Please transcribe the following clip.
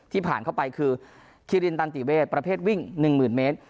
ผ่านเข้าไปคือคิรินตันติเวศประเภทวิ่ง๑๐๐๐เมตร